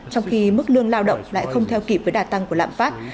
trong khi mức lương lao động lại không theo kịp với đà tăng của lạm phát